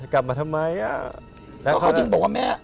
กลับมาทำไม